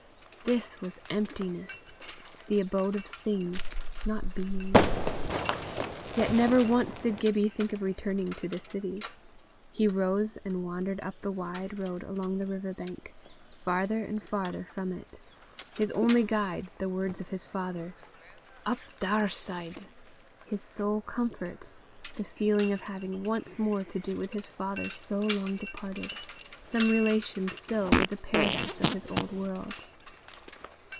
This was emptiness the abode of things, not beings. Yet never once did Gibbie think of returning to the city. He rose and wandered up the wide road along the river bank, farther and farther from it his only guide the words of his father, "Up Daurside;" his sole comfort the feeling of having once more to do with his father so long departed, some relation still with the paradise of his old world.